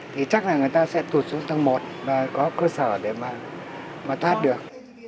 thì chắc là người ta sẽ tụt xuống tầng một và có cơ sở để mà thoát được